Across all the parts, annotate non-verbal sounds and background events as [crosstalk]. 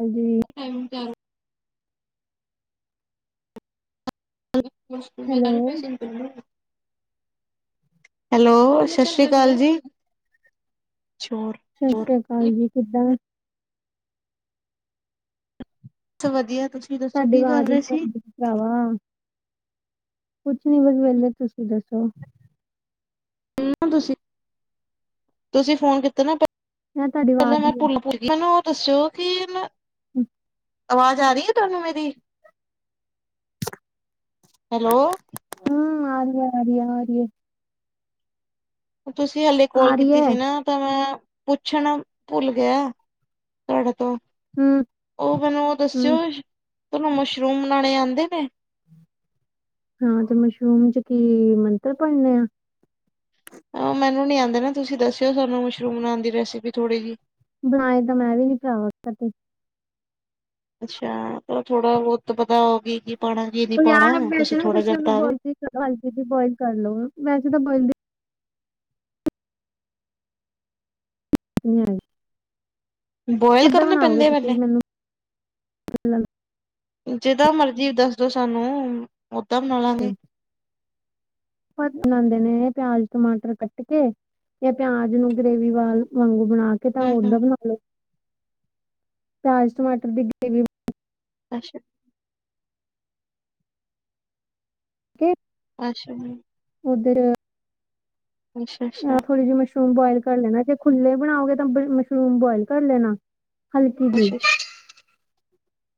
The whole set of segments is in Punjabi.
ਹਾਂਜੀ। [unintelligible] ਹੈਲੋ [unintelligible] ਹੈਲੋ, ਸਤਿ ਸ਼੍ਰੀ ਅਕਾਲ ਜੀ, ਛੋਰ ਸਤਿ ਸ੍ਰੀ ਅਕਾਲ ਜੀ, ਕਿੱਦਾਂ? ਬਸ ਵਧੀਆ ਤੁਸੀਂ ਦੱਸੋ ਤੁਹਾਡੀ ਕੀ ਕਰ ਆਵਾਜ਼ ਨੀ ਰਹੇ ਸੀ? ਆਂਦੀ ਪਈ। ਭਰਾਵਾ, ਕੁਛ ਨੀ ਬਸ ਵੇਲੇ ਤੁਸੀਂ ਦੱਸੋ। [unintelligible] ਤੁਸੀਂ, ਤੁਸੀਂ ਫੋਨ ਕੀਤਾ ਨਾ ਮੈਂ ਤੁਹਾਡੀ ਆਵਾਜ਼ [unintelligible] ਮੈਨੂੰ ਓ ਦਸੋਂ ਕਿ [inaudible] ਆਵਾਜ਼ ਆ ਰੀ ਐ ਤੁਹਾਨੂੰ ਮੇਰੀ? ਹੈਲੋ। ਹੂੰ, ਆ ਰੀ ਐ, ਆ ਰੀ ਐ, ਆ ਰੀ ਐ। ਤੁਸੀਂ ਹਾਲੇ ਕੋਲ ਆ ਰਹੀ ਹੈ ਕੀਤੀ ਆ ਰਹੀ ਹੈ ਸੀ ਨਾ। ਤਾਂ ਮੈਂ ਪੁੱਛਣਾ ਭੁੱਲ ਗਿਆ ਤੁਹਾਡੇ ਤੋਂ। ਹਮ ਓ ਮੈਨੂੰ ਓ ਹਮ ਦੱਸਿਓ ਤੁਹਾਨੂੰ ਮਸ਼ਰੂਮ ਬਣਾਣੇ ਆਂਦੇ ਨੇ? ਹਾਂ ਤੇ ਮਸ਼ਰੂਮ 'ਚ ਕੀ ਮੰਤਰ ਪੜਨੇ ਆ। ਅ ਮੈਨੂੰ ਨੀ ਆਂਦੇ ਨਾ ਤੁਸੀਂ ਦੱਸਿਓ ਸਾਨੂੰ ਮਸ਼ਰੂਮ ਬਨਾਨ ਦੀ ਰੈਸੀਪੀ ਥੋੜ੍ਹੀ ਜੀ। ਬਨਾਏ ਤਾਂ ਮੈਂ ਵੀ ਨੀ ਭਰਾਵਾ ਕਦੀ। ਅੱਛਾ ਤਾਂ ਥੋੜਾ ਬੋਤ ਤਾਂ ਪਤਾ ਹੋਗੀ ਕੀ ਪਾਣਾ, ਕੀ ਨੀ ਪਾਣਾ, ਤੁਸੀਂ ਥੋੜਾ ਜਾ ਬਤਾ ਦੋ। ਹਾਂਜੀ ਦੀ ਬੋਇਲ ਕਰ ਲਓ, ਵੈਸੇ ਤਾਂ ਬੋਇਲ ਦੀ [unintelligible] ਬੋਇਲ ਕਿੱਦਾਂ ਕਰਨੇ ਬਣਾਓਗੇ ਪੈਂਦੇ ਐ ਤੁਸੀਂ ਪਹਲੇ? ਮੈਨੂੰ ਜਿੱਦਾਂ ਮਰਜੀ ਦੱਸਦੋ ਸਾਨੂੰ, ਓਦਾਂ ਬਣਾਲਾਂਗੇ। ਭੜ ਬਣਾਂਦੇ ਨੇ ਪਿਆਜ, ਟਮਾਟਰ ਕੱਟਕੇ ਜਾਂ ਪਿਆਜ ਨੂੰ ਗ੍ਰੇਵੀ ਵਾਲ ਵਾਂਗੂ ਬਣਾ ਕੇ ਤਾਂ ਹੂੰ ਓਦਾਂ ਹੂੰ ਬਣਾ ਲੋ, ਪਿਆਜ, ਟਮਾਟਰ ਦੀ ਗ੍ਰੇਵੀ ਅੱਛਾ। ਕੀ ਅਛਾ ਬਈ। ਓਧਰ ਅੱਛਾ ਆਹ ਅੱਛਾ ਥੋੜ੍ਹੀ ਜੀ ਮਸ਼ਰੂਮ ਬੁਆਇਲ ਕਰ ਲੈਣਾ, ਜੇ ਖੁੱਲੇ ਬਣਾਓਗੇ, ਤਾਂ ਮਸ਼ਰੂਮ ਬੁਆਇਲ ਕਰ ਲੈਣਾ। ਹਲਕੀ ਜੀ ਅੱਛਾ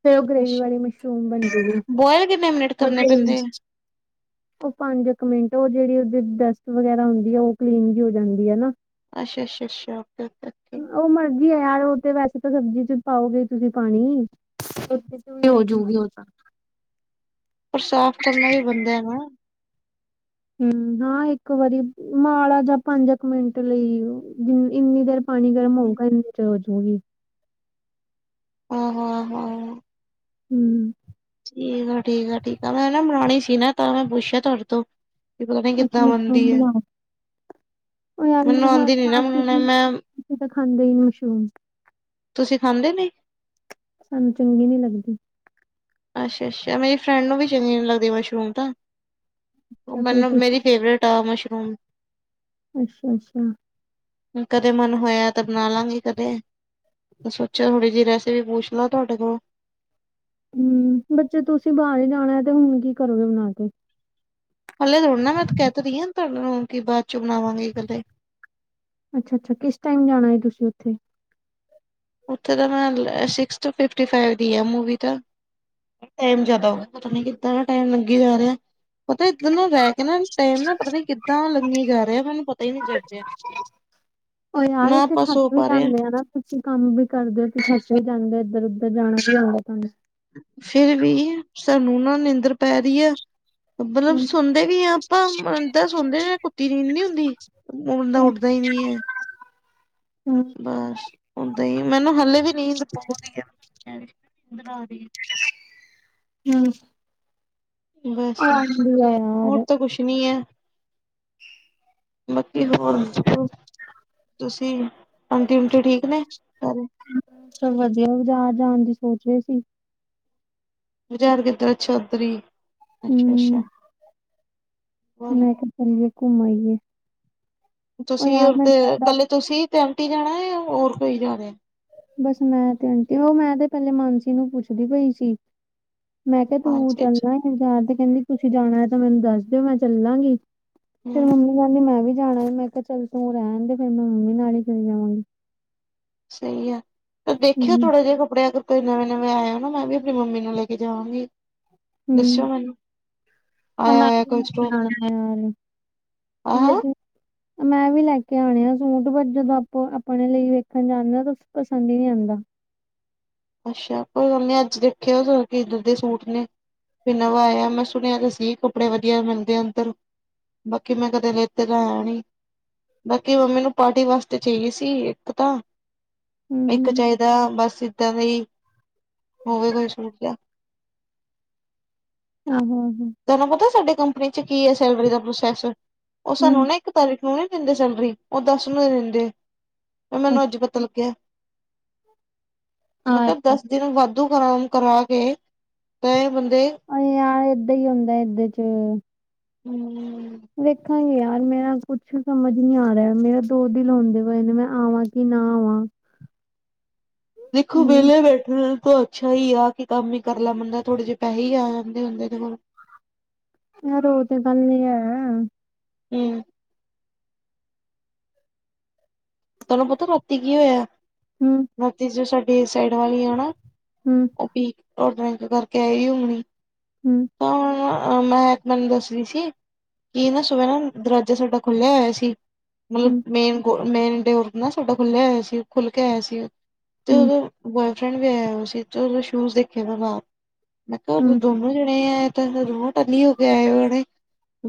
ਤੇ ਉਹ ਗ੍ਰੇਵੀ ਅੱਛਾ ਵਾਲੀ ਮਸ਼ਰੂਮ ਬਣਜੇ ਗੀ, ਬੋਇਲ ਕਿੰਨੇ ਮਿੰਟ ਕਰਨੇ ਪਤਾ ਮੈਨੂੰ ਪੈਂਦੇ ਉਹ ਪੰਜ ਕ ਮਿੰਟ ਉਹ ਜਿਹੜੀ ਉਹਦੇ ਡਸਟ ਵਗੈਰਾ ਹੁੰਦੀ ਆ, ਉਹ ਕਲੀਨ ਵੀ ਹੋ ਜਾਂਦੀ ਐ ਨਾ। ਅੱਛਾ-ਅੱਛਾ-ਅੱਛਾ। ਉਹ ਮਰਜੀ ਆ ਯਾਰ, ਉਹ ਤੇ ਵੈਸੇ ਤਾਂ ਸਬਜ਼ੀ'ਚ ਪਾਓਗੇ ਤੁਸੀ ਪਾਣੀ। [inaudible] ਹੂੰ ਹੂੰ ਹੋਜੂਗੀ ਓਹ ਚਾ ਪਰ ਸਾਫ਼ ਕਰਨਾ ਵੀ ਬਣਦਾ ਐ ਨਾ। ਹੂੰ, ਹਾਂ ਇੱਕ ਵਾਰੀ ਮੜਾ ਜਾਂ ਪੰਜ ਕ ਮਿੰਟ ਲਈ ਇੰਨੀ ਦੇਰ ਪਾਣੀ ਹੂੰ ਗਰਮ ਹੂੰ ਹੋਊਗਾ, ਇਨੇ ਚ ਹੋਜੂਗੀ। ਹਾਂ-ਹਾਂ-ਹਾਂ। ਹੂੰ, ਠੀਕ ਆ-ਠੀਕ ਆ-ਠੀਕ ਆ, ਮੈਂ ਨਾ ਬਨਾਣੀ ਸੀ ਨਾ, ਤਾਂ ਮੈਂ ਪੁੱਛਿਆ ਤੁਹਾਡੇ ਤੋਂ। ਵੀ ਪਤਾ ਨੀ ਅੱਛਾ ਕਿੱਦਾਂ ਮਸ਼ਰੂਮ ਬਣਦੀ ਐ, ਬਣਾਓ ਮੈਨੂੰ ਆਂਦੀ ਨੀ ਨਾ ਮੈਨੂੰ ਮੈਮ। ਅਸੀ ਤਾਂ ਖਾਂਦੇ ਹੀ ਮਸ਼ਰੂਮ ਤੁਸੀਂ ਖਾਂਦੇ ਨੀ। ਸਾਨੂੰ ਚੰਗੀ ਨੀ ਲੱਗਦੀ। ਅੱਛਾ-ਅੱਛਾ, ਮੇਰੀ ਫਰੈਂਡ ਨੂੰ ਵੀ ਚੰਗੀ ਨੀ ਲੱਗਦੀ ਮਸ਼ਰੂਮ ਤਾਂ, ਅੱਛਾ ਫੇਰ ਮੈਨੂੰ ਤੁਸੀਂ ਮੇਰੀ ਫੇਵਰੇਟ ਤਾ ਮਸ਼ਰੂਮ ਅੱਛਾ-ਅੱਛਾ। ਕਦੇ ਮਨ ਹੋਇਆ, ਤਾਂ ਬਣਾਲਾਂਗੇ ਕਦੇ। ਸੋਚਿਆ ਥੋੜੀ ਜਿਹੀ ਰੈਸਪੀ ਪੁੱਛ ਲਾ ਤੁਹਾਡੇ ਕੋਲੋਂ। ਹੂੰ, ਬੱਚੇ ਤੁਸੀਂ ਬਾਹਰ ਹੀ ਜਾਣਾ, ਤੇ ਹੁਣ ਕੀ ਕਰੋਗੇ ਬਣਾ ਕੇ। ਹਲੇ ਥੋੜੀ ਨਾ ਮੈਂ ਤੇ ਕਹਿ ਰਹੀ ਆਂ, ਤੁਹਾਡੇ ਨੂੰ ਕਿ ਬਾਅਦ ਚੋਂ ਬਣਾਵਾਂਗੀ ਕਦੇ। ਅੱਛਾ-ਅੱਛਾ, ਕਿਸ ਟਾਈਮ ਜਾਣਾ ਏ ਤੁਸੀਂ ਓਥੇ। ਉੱਥੇ ਤਾਂ, ਮੈਂ ਸਿਕਸਥ, ਫਿਫਟੀ-ਫਾਈਵ ਦੀ ਆ ਮੂਵੀ ਤਾਂ। ਟੈਮ ਜਾਦਾ ਹੋ ਗਿਆ, ਪਤਾ ਨੀ ਕਿੱਦਾਂ ਦਾ ਟੈਮ ਲੰਘੀ ਜਾ ਰਿਹਾ, ਪਤਾ ਇੱਦਰ ਨਾ ਰਹਿ ਇਹ ਨਾਂ ਨੂੰ ਟਾਈਮ ਨਾ, ਪਤਾ ਨੀ ਕਿੱਦਾਂ ਲੰਘੀ ਜਾ ਰਿਹਾ ਮੈਨੂੰ ਪਤਾ ਹੀ ਨਹੀਂ ਚੱਲ ਰਿਹਾ। ਉਹ ਯਾਰ ਨਾ ਇੱਥੇ ਆਪਾਂ ਥੱਕ ਸੋ ਵੀ ਪਾ ਰਏ ਆਂ। ਜਾਂਦੇ ਆ ਨਾ ਤੁਸੀਂ ਕੰਮ ਵੀ ਕਰਦੇ ਹੋ, ਤੁਸੀਂ ਸੱਚ ਵੀ ਜਾਂਦੇ ਓ, ਏਧਰ-ਉੱਧਰ ਜਾਣਾ ਵੀ ਆਉਂਦਾ ਤੁਹਾਨੂੰ। ਫਿਰ ਵੀ ਸਾਨੂੰ ਨਾ ਨੀਂਦਰ ਪੈ ਰਹੀ ਐ। ਮਤਲਬ ਹੂੰ, ਸੋਂਦੇ ਵੀ ਹਾਂ ਆਪਾਂ, ਇਦਾਂ ਸੋਂਦੇ ਜਿਵੇਂ ਕੁੱਤੀ ਨੀਂਦ ਨੀ ਹੁੰਦੀ। ਮੁੰਡਾ ਉੱਠਦਾ ਹੀ ਵੀ ਹੈ। ਹੂੰ ਬਸ ਓਦਾਂ ਹੀ ਮੈਨੂੰ ਹਲੇ ਵੀ ਨੀਂਦ ਆਉਂਦੀ ਐ, [inaudible] ਨੀਂਦਰ ਆ ਰਹੀ ਐ। ਹੂੰ ਉਹ ਬਸ, ਆਂਦੀ ਆ ਯਾਰ ਹੋਰ ਤਾਂ ਕੁਛ ਨੀ ਐ। ਬਾਕੀ ਹੋਰ ਦੱਸੋ, ਤੁਸੀਂ ਆਟੀ ਉਂਟੀ ਠੀਕ ਨੇ ਸਾਰੇ। ਚਲ ਵਧੀਆ, ਬਾਜ਼ਾਰ ਜਾਣ ਦੀ ਸੋਚ ਰਹੇ ਸੀ। ਬਜ਼ਾਰ ਕਿੱਧਰ, ਅੱਛਾ ਓਧਰੀ ਅੱਛਾ-ਅੱਛਾ। ਹਮ ਮੈਂ ਕਿਆ ਚੱਲੀਏ ਘੁੰਮ ਆਈਏ। ਉਹ ਤੁਸੀਂ ਯਾਰ ਹੋਰ ਤੇ ਮੈਨੂੰ ਉਹਦਾ ਕੱਲੇ ਤੁਸੀਂ ਤੇ ਆਂਟੀ ਜਾਣਾ, ਜਾਂ ਹੋਰ ਕੋਈ ਜਾ ਰਿਹਾ। ਬੱਸ ਮੈਂ ਤੇ ਆਂਟੀ, ਉਹ ਮੈਂ ਤੇ ਪਹਿਲੇ ਮਾਨਸੀ ਨੂੰ ਪੁੱਛਦੀ ਪਈ ਸੀ। ਮੈਂ ਕਿਹਾ ਪੰਜ ਤੂੰ ਛੇ ਅੱਛਾ, ਚਲਨਾ ਏ। ਬਜ਼ਾਰ ਤੇ ਕਹਿੰਦੀ ਤੁਸੀਂ ਜਾਣਾ ਐ, ਤਾਂ ਮੈਨੂੰ ਦੱਸ ਦਿਓ ਮੈਂ ਚੱਲਾਂਗੀ, ਫੇਰ ਹੂੰ ਮੰਮੀ ਕਹਿੰਦੀ ਮੈਂ ਵੀ ਜਾਣਾ, ਮੈਂ ਕਿਹਾ ਚੱਲ ਤੂੰ ਰਹਿਣ ਦੇ ਫੇਰ ਮੈਂ ਮੰਮੀ ਨਾਲ ਹੀ ਚਲੇ ਜਾਵਾਂਗੀ। ਸਹੀ ਐ, ਤੇ ਦੇਖਿਓ ਹਮ ਥੋੜਾ ਜਿਹਾ ਕੱਪੜਿਆਂ ਨੂੰ। ਕੋਈ ਨਵੇਂ-ਨਵੇਂ ਆਏ ਹੋ ਨਾ, ਮੈਂ ਵੀ ਆਪਣੀ ਮੰਮੀ ਨੂੰ ਲੈ ਕੇ ਜਾਵਾਂਗੀ, ਦੱਸਿਓ ਹਮ ਮੈਨੂੰ। ਆਇਆ ਮੈਂ ਹੋਇਆ ਕੋਈ ਸਟੋਕ [inaudible] ਆਹ ਲੇਕਿਨ ਮੈਂ ਵੀ ਲੈ ਕੇ ਆਉਣੇ ਆ ਸੂਟ ਬ ਜਦੋਂ ਆਪੋ ਆਪਣੇ ਲਈ ਵੇਖਣ ਜਾਂਦੇ ਹਾਂ, ਤਾਂ ਪਸੰਦ ਹੀ ਨਹੀ ਆਉਂਦਾ ਅੱਛਾ, ਕੋਈ ਗੱਲ ਨੀ ਅੱਜ ਦੇਖੇ ਆਓ, ਕਿੱਧਰ ਦੇ ਸੂਟ ਨੇ ਵੀ ਨਵਾਂ ਆਇਆ, ਮੈਂ ਸੁਣਿਆ ਤਾਂ ਸੀ ਕੱਪੜੇ ਵਧੀਆ ਮਿਲਦੇ ਅੰਦਰ ਬਾਕੀ ਮੈਂ ਕਦੇ ਲੇਤੇ ਤਾਂ ਹੈ ਨੀ ਬਾਕੀ ਮੰਮੀ ਨੂੰ ਪਾਰਟੀ ਵਾਸਤੇ ਚਾਹੀਏ ਸੀ, ਇੱਕ ਤਾਂ- ਹਮ ਇੱਕ ਹਮ ਚਾਹੀਦਾ, ਬੱਸ ਏਦਾਂ ਦਾ, ਹੋਵੇ ਕੋਈ ਸੂਟ ਜਿਹਾ ਆਹੋੋ, ਆਹੋ ਤੁਹਾਨੂੰ ਪਤਾ ਸਾਡੇ ਕੰਪਨੀ 'ਚ ਕੀ ਹੈ ਸੈਲਰੀ ਦਾ ਪ੍ਰੋਸੈਸ, ਉਹ ਸਾਨੂੰ ਨਾ ਹਮ ਇੱਕ ਤਾਰੀਕ ਨੂੰ ਨਹੀਂ ਦਿੰਦੇ ਸੈਲਰੀ, ਉਹ ਦਸ ਨੂੰ ਦਿੰਦੇ, ਮੈਨੂੰ ਅੱਜ ਪਤਾ ਲੱਗਿਆ ਮੈਂ ਕਿਹਾ ਹਾਂ ਦੱਸ ਦਿਨ ਵੱਧ ਵਾਧੂ ਕੰਮ ਕਰਾਓ ਕੇ, ਤੇ ਬੰਦੇ ਅਂ ਆ ਏਦਾਂ ਹੀ ਹੁੰਦਾ ਏਦੇ 'ਚ ਹਮ। ਦੇੇਖਾਂਗੇ ਯਾਰ, ਮੇਰਾ ਕੁਛ ਸਮਝ ਨੀ ਆ ਰਿਹਾ। ਮੇਰਾ ਦੋ ਦਿਲ ਹੁੰਦੇ ਹੋਏ ਨੇ ਮੈਂ ਆਵਾਂਗੀ। ਨਾ ਆਵਾ। ਦੇਖੋ ਵਿਹਲੇ ਬੈਠਣੇ ਤੋ ਅੱਛਾ ਹੀ ਆ ਕਿ ਕੰਮ ਹੀ ਕਰਨਾ ਬੰਦਾ। ਥੋੜੇ ਜਿਹੇ ਪੈਸੇ ਹੀ ਆ ਜਾਂਦੇ ਹੁੰਦੇ ਓਹੇ ਕੋਲ। ਯਾਰ ਉਹ ਤੇ ਗੱਲ ਨੀ ਹੈ। ਹਮ। ਤੁਹਾਨੂੰ ਪਤਾ ਰਾਤੀ ਕੀ ਹੋਇਆ। ਹਮ। ਰਾਤੀਂ ਜਿਹੜੇ ਸਾਡੀ ਸਾਈਡ ਵਾਲੀ ਆ ਨਾ। ਹਮ ਔ ਬੇੰਕ ਕਰਕੇ ਆ ਹੋਨੀ। ਹਮ ਤਾਂ ਹੁਣ ਮੈਂ ਇਕ ਗੱਲ ਦੱਸ ਰਹੀ ਸੀ। ਕੀ ਨਾ ਸਵੇਰੇ ਨਾ, ਦਰਵਾਜਾ ਸਾਡਾ ਖੁੱਲਿਆ ਹੋਇਆ ਸੀ। ਮਤਲਬ ਹਮ ਮੇਨ-ਮੇਨ ਡੋਰ ਨਾ ਸਾਡਾ ਖੁੱਲਿਆ ਹੋਇਆ ਸੀ। ਖੁੱਲ ਕੇ ਆਇਆ ਸੀ। ਤੇ ਹਮ ਉਹ ਬੋਆਏਫਰੈਂਡ ਵੀ ਆਇਆ ਹੋਆ ਸੀ [unintelligible] ਸ਼ੂਜ ਦੇਖੇ ਵ ਬਾਰ ਮੈਂ ਕਿਹਾ ਉਹ ਹਮ ਦੋ ਦੋ ਜਣੇ ਆਏ ਟੱਲੀ ਹੋ ਕੇ ਆਏ ਹੋਏ,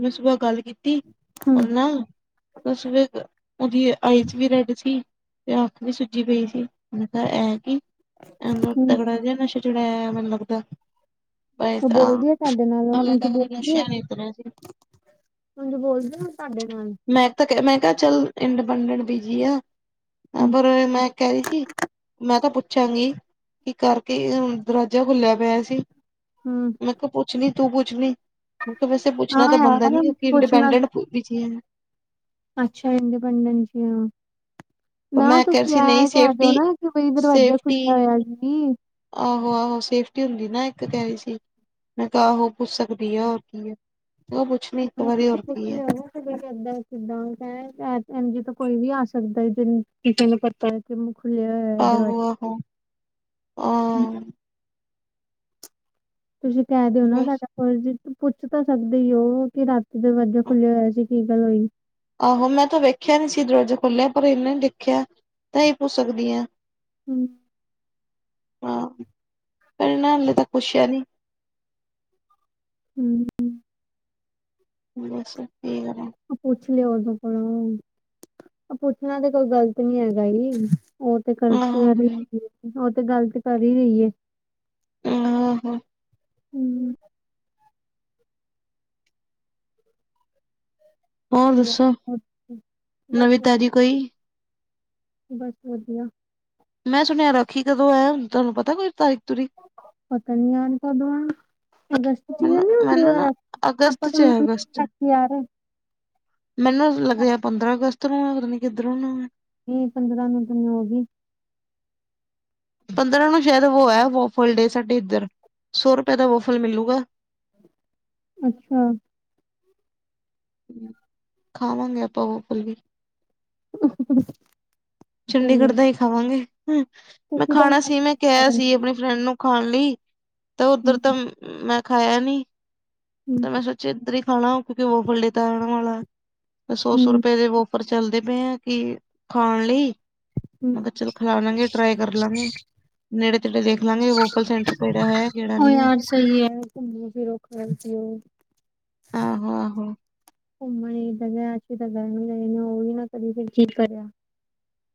ਉਸ ਤੋਂ ਬਾਅਦ ਗੱਲ ਕੀਤੀ। ਹਮ ਉਹ ਨਾ ਬਸ ਉਹਦੀ ਆਈ। ਵੀ ਰੈਡ ਸੀ ਤੇ ਅੱਖ ਨੀ ਸੁਜੀ ਪਈ ਸੀ ਮਤਲਬ ਇਹ ਕੀ ਹਮ ਤਗੜਾ ਜ ਨਸ਼ੇ ਚੜਿਆ ਮੈਨੂੰ ਲੱਗਦਾ। ਉਹ ਬੋਲਦੀ ਆ ਤੁਹਾਡੇ ਨਾਲ, ਹਲੇ ਉੰਝ ਤੱਕ ਬੋਲਦੀ। ਨਸ਼ਿਆਂ ਨੀ ਉਤਰਿਆ ਸੀ ਤੁਸੀਂ ਬੋਲਦੇ ਹੋ ਸਾਡੇ ਨਾਲ। ਮੈਂ ਤਾਂ ਮੈਂ ਕਿਹਾ ਚੱਲ ਇੰਡੀਪੈਂਡੈਂਟ ਬੀਜੀ ਆ। ਹਮ ਪਰ ਮੈਂ ਕਹਿ ਰਹੀ ਸੀ। ਮੈਂ ਤਾਂ ਪੁੱਛਾਂਗੀ, ਕਿ ਕਰਕੇ ਦਰਵਾਜਾ ਖੁੱਲਿਆ ਪਿਆ ਸੀ। ਹਮ। ਮੈੰ ਕਿਹਾ ਪੁੱਛਣੀ ਤੂੰ ਪੁੱਛਣੀ, ਮੈਂ ਵੈਸੇ ਪੁੱਛਣਾ ਹਾਂ ਤਾਂ ਬਣਦਾ ਨੀ ਯਾਰ ਕੁਛ ਨਾ ਇੰਡੀਪੈਂਡਟ ਦੀ ਚੀਜ਼ ਅੱਛਾ ਇੰਡੀਪੈਂਡੈਂਸ ਜੀ ਆਂ। ਪਰ ਨਾ ਮੈਂ ਕਹਿ ਰਹੀ ਤੁਸੀਂ ਸੀ ਨਹੀਂ ਆਇ ਕਹਿ ਦਿਓ ਸੇਫਟੀ ਨਾ, ਕਿ ਬਈ ਦਰਵਾਜਾ ਖੁੱਲਾ ਹੋਇਆ ਸੀ। ਆਹੋ-ਆਹੋ ਸੇਫਟੀ ਹੁੰਦੀ ਨਾ ਇੱਕ ਕਹਿ ਰਹੀ ਸੀ। ਮੈਂ ਕਿਹਾ ਆਹੋ ਪੁੱਛ ਸਕਦੀ ਆ, ਕੀ ਆ। ਉਹ ਪੁੱਛਣੀ, ਇੱਕ ਵਾਰੀ ਹੋਰ ਕੀ ਐ। ਕਿਦਾਂ ਕਿੱਦਾਂ ਕ ਜ ਤੋਂ ਕੋਈ ਵੀ ਆ ਸਕਦਾ। ਜਿ ਕਿਸੇ ਨੂੰ ਪਤਾ। ਕਿਮੂੰ ਖੁੱਲਿਆ ਹੋਇਆ। ਦਰਵਾਜ਼ਾ ਆਹੋ-ਆਹੋ ਹ। ਤੁਸੀਂ ਕਹਿ ਦਿਓ ਨਾ, ਬਸ ਸਾਡਾ। ਹੋਰ ਜੀ ਪੁੱਛ ਤਾਂ ਸਕਦੇ ਉਹ, ਕਿ ਰਾਤੀ ਦਰਵਾਜਾ ਖੁੱਲਿਆ ਹੋਇਆ ਸੀ, ਕੀ ਗੱਲ ਹੋਈ। ਆਹੋ ਮੈਂ ਤਾਂ ਵੇਖਿਆ ਨੀ ਸੀ ਦਰਵਾਜਾ ਖੋਲਿਆ ਪਰ ਇਹਨੇ ਦੇਖਿਆ ਤਾਂ ਹੀ ਪੁਛ ਸਕਦੀ ਆਂ। ਹਮ ਹਾਂ ਪਰ ਨ ਹਲੇ ਤਾਂ ਪੁਛਿਆ ਨੀ। ਹਮ। ਬੱਸ ਕੀ ਕਰੇ। ਉਹ ਪੁੱਛ ਲਓ ਉਹਦੇ ਕੋਲੋਂ, ਪੁੱਛਣਾ ਤੇ ਕੋਈ ਗ਼ਲਤ ਨੀ ਹੈਗਾ ਜੀ। ਉਹ ਤੇ ਕਰਕੇ, ਆਹੋ ਉਹ ਤੇ ਗੱਲ ਤੇ ਕਰ ਹੀ ਰਹੀ ਹੈ। [inaudible] ਹਮ। ਹੋਰ ਸਹੀ ਹੈ ਦੱਸੋ, ਬਸ ਨਵੀਂ ਤਾਜੀ ਕੋਈ। ਬਸ ਵਧੀਆ। ਮੈਂ ਸੁਣਿਆ ਰਾਖੀ ਕਦੋਂ ਹੈ, ਤੁਹਾਨੂੰ ਪਤਾ ਕੋਈ ਤਾਰੀਕ, ਤਰੀਕ। ਪਤਾ ਨੀ ਯਾਰ, ਕਦੋਂ ਆ। ਅਗਸਤ ਚ ਈ ਨ ਮੈਨੂੰ ਹੁੰਦੇ ਮੈਨੂੰ ਆ, ਨਾ ਆਪਾਂ ਅਗਸਤ ਚ ਹੈ ਅਗਸਤ ਤਾਂ ਚ ਤੀਆਰ। ਮੈਨੂੰ ਲੱਗ ਰਿਹਾ ਪੰਦਰਾਂ ਅਗਸਤ ਨੂੰ ਪਤਾ ਨੀ ਕਿੱਧਰੋ ਨੂੰ ਨਹੀਂ ਪੰਦਰਾਂ ਨੂੰ ਤੈਨੂੰ ਹੋ ਗਈ ਪੰਦਰਾਂ ਨੂੰ ਸ਼ਾਇਦ ਉਹ ਹੈ ਵੋਫਲ ਡੇ ਸਾਡੇ ਇੱਧਰ ਸੌ ਰੁਪਏ ਦਾ ਵੋਫਲ ਮਿਲੂਗਾ। ਅੱਛਾ। ਖਾਵਾਂਗੇ ਆਪਾਂ ਉਹ ਪਲ ਵੀ। [inaudible] ਸਹੀ ਹੈ ਚੰਡੀਗੜ੍ਹ ਦਾ ਹੀ ਖਾਵਾਂਗੇ ਹੂੰ ਮੈਂ ਤੁਸੀਂ ਤਾਂ ਖਾਣਾ ਸੀ ਮੈਂ ਕਿਹਾ ਮੰਨਦੇ ਸੀ ਆਪਣੀ ਮੇਨੂੰ ਖਾਣ ਲਈ ਤੇ ਉੱਧਰ ਹੂੰ ਤਾਂ ਮੈਂ ਖਾਇਆ ਨੀ। ਹੂੰ ਤੇ ਮੈਂ ਸੋਚਿਆ ਇੱਧਰ ਹੀ ਖਾਣਾ ਕਿਉਂਕਿ ਵੋ ਫੱਲੇ ਤਾਂ ਰਹਿਣ ਵਾਲਾ ਹੈ ਸੌ ਸੌ ਹੂੰ ਰੁਪਏ ਦੇ ਵ ਪਰ ਚੱਲਦੇ ਪਏ ਆ ਕਿ ਖਾਣ ਲਈ, ਹੂੰ ਮੈਂ ਕੇਆ ਚਲੋ। ਖਿਲਾ ਲਾਂਗੇ ਟਰਾਈ ਕਰ ਲਾਂਗੇ ਨੇੜੇ ਤੇੜੇ ਦੇਖ ਲਾਂਗੇ ਵੋਕਲ ਸੈਂਟਰ ਕਿਹੜਾ ਹੈ ਕਿਹੜਾ ਉਹ ਨਹੀਂ ਹੈ। ਯਾਰ ਸਹੀ ਐ ਘੁੰਮੋ ਫਿਰੋ ਖਾਓ ਪਿਉ। ਆਹੋ-ਆਹੋ। ਘੁੰਮਣ ਈ ਏਦਾਂ ਗਿਆ ਐਰਕੀ ਤਾਂ ਗਰਮੀ ਬੜੀ ਹੋ ਵੀ ਨਾ ਕਦੀ ਫਿਰ ਚਿੱਲ ਕਰਿਆ।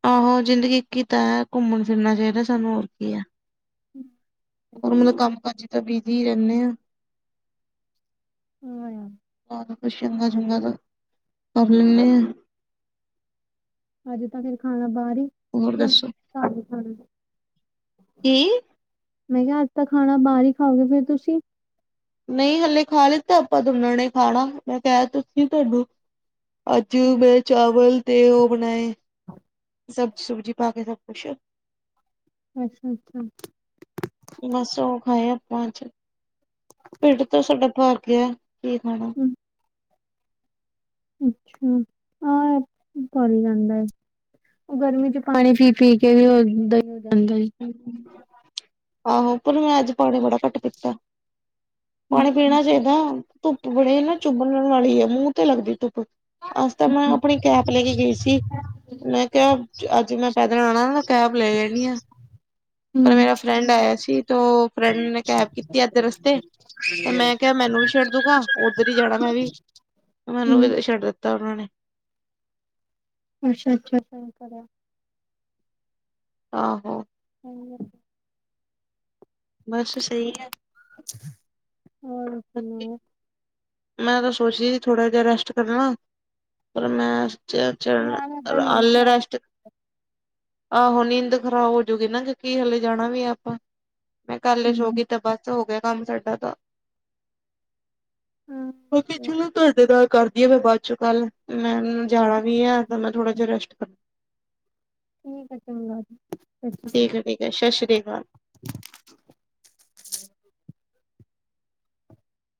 ਆਹੋ ਜ਼ਿੰਦਗੀ ਇੱਕ ਈ ਤਾਂ ਐ, ਘੁੰਮਣ ਫਿਰਨਾ ਚਾਹੀਦਾ ਸਾਨੂੰ ਹੋਰ ਕੀ ਹੈ। ਹੂੰ। ਹੋਰ ਮਤਲਬ ਕੰਮ ਕਾਜ ਤਾਂ ਬਿਜੀ ਰਹਿੰਦੇ ਆ ਹਾਂ ਯਾਰ ਬਹੋਤ ਕੁਛ ਚੰਗਾ-ਚੰਗਾ ਤਾਂ, ਕਰ ਲੈਂਣੇ ਆ। ਅੱਜ ਤਾਂ ਫਿਰ ਖਾਣਾ ਬਾਹਰ ਈ? ਹੋਰ ਯਾ ਦੱਸੋ ਕਾਰ ਈ ਖਾਣਾ? ਕੀ? ਮੈਂ ਕੇਆ ਅੱਜ ਤਾਂ ਖਾਣਾ ਬਾਹਰ ਈ ਖਾਓਗੇ ਫੇਰ ਤੁਸੀਂ? ਨਈ ਹਲੇ ਖਾ ਲਿੱਤਾ ਆਪਾਂ ਦੋਣੋ ਨੇ ਖਾਣਾ। ਮੈਂ ਕਿਹਾ ਤਾਂ ਸੀ ਤੁਆਨੂੰ। ਅੱਜ ਮੈਂ ਚਾਵਲ ਤੇ ਉਹ ਬਣਾਏ ਸਬ ਸੁਜ਼ੀ ਪਾ ਕੇ, ਸਭ ਕੁਛ। ਅੱਛਾ-ਅੱਛਾ। ਬੱਸ ਉਹ ਖਾਏ ਅਪਾਂ ਅੱਜ। ਟੀਡ ਤਾਂ ਸਾਡਾ ਭਰ ਗਿਆ ਏ। ਕੀ ਖਾਣਾ? ਹੂੰ ਅੱਛਾ, ਆਂ ਭਰ ਈ ਜਾਂਦਾ ਹੈ। ਉਹ ਗਰਮੀ 'ਚ ਪਾਣੀ ਪੀ-ਪੀ ਕੇ ਵੀ ਉਦ ਈ [unintelligible] ਜਾਂਦਾ। ਆਹੋ ਪਰ ਮੈਂ ਅੱਜ ਪਾਣੀ ਬੜਾ ਘੱਟ ਪੀਤਾ। ਪਾਣੀ ਪੀਣਾ ਚਾਹੀਦਾ ਧੁੱਪ ਬੜੀ ਨਾ ਚੁੱਭਣ ਵਾਲੀ ਹੈ ਮੂੰਹ ਤੇ ਲੱਗਦੀ ਧੁੱਪ ਅੱਜ ਤਾਂ ਮੈਂ ਆਪਣੀ ਕੈਪ ਲੈ ਕੇ ਗਈ ਸੀ, ਮੈਂ ਕਿਹਾ ਅੱਜ ਮੈਂ ਪੈਦਲਾਂ ਆਣਾ ਨਾ ਕੈਬ ਲੈ ਲੈਣੀ ਆ। ਪਰ ਮੇਰਾ ਹੂੰ-ਹੂੰ-ਹੂੰ, ਫਰੈਂਡ ਆਇਆ ਸੀ, ਤੇ ਔਹ ਫਰੈਂਡ ਨੇ ਕੈਬ ਕੀਤ ਤੇ ਅਦੇ ਰਸਤੇ, ਤੇ ਮੈਂ ਕਿਹਾ ਮੈਨੂੰ ਵੀ ਛੱਡ ਦੂਗਾ। ਉੱਧਰ ਈ ਜਾਣਾ ਮੈਂ ਵੀ। ਮੈਨੂੰ ਵੀ ਛੱਡ ਦਿੱਤਾ ਉਹਨਾਂ ਨੇ। ਅੱਛਾ-ਅੱਛਾ। ਆਹੋ। [unintelligible] ਬਸ ਸਹੀ ਹੈ। ਹੋਰ ਸੁਣਾਓ? ਮੈਂ ਤਾ ਸੋਚਦੀ ਸੀ ਥੋੜ੍ਹਾ ਜਿਹਾ ਰੈਸਟ ਕਰਨਾ ਪਰ ਮੈਂ ਚ ਚੜਨਾ, ਯਾਰ ਏਦਾਂ ਨੀਂਦ ਖਰਾਬ ਔਲਰੇਸਟ। ਆਹੋ ਨੀਂਦ ਖਰਾਬ ਹੋਜੂਗੀ ਨਾ ਕਿਉਂਕਿ ਹਲੇ ਜਾਣਾ ਵੀ ਆਪਾਂ ਮੈਂ ਕੱਲ ਸ਼ ਹੋ ਹੂੰ, ਗ ਤੇ ਬਸ ਹੋ ਗਿਆ ਕੰਮ ਸਾਡਾ ਤਾਂ [unintelligible] ਚਲੋ ਤੁਆਡੇ ਨਾਲ ਕਰਦੀ ਆ ਮੈਂ ਬਾਅਦ ਚੋਂ ਗਲ। ਮੈਨੂੰ ਜਾਣਾ ਵੀ ਹੈ ਤਾਂ ਮੈਂ ਥੋੜਾ ਜਿਹਾ ਰੈਸਟ ਕਰ ਠੀਕ ਹੈ ਚਗਾਂ ਜੀ। ਠੀਕ ਏ ਠੀਕ ਏ, ਸਤਿ ਸ਼੍ਰੀ ਅਕਾਲ।